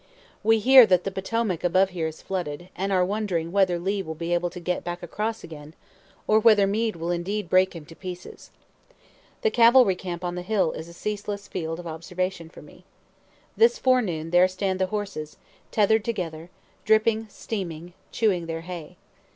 We hear that the Potomac above here is flooded, and are wondering whether Lee will be able to get back across again, or whether Meade will indeed break him to pieces. The cavalry camp on the hill is a ceaseless field of observation for me. This forenoon there stand the horses, tether'd together, dripping, steaming, chewing their hay.